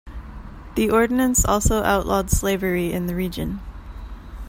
The ordinance also outlawed slavery in the region.